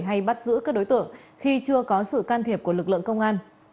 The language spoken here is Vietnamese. hay bắt giữ các đối tượng khi chưa có sự can thiệp của lực lượng công an